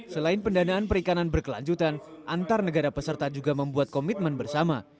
selain pendanaan perikanan berkelanjutan antar negara peserta juga membuat komitmen bersama